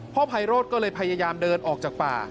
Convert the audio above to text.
ไพโรธก็เลยพยายามเดินออกจากป่า